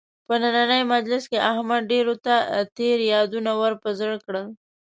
په نننۍ مجلس کې احمد ډېرو ته تېر یادونه ور په زړه کړل.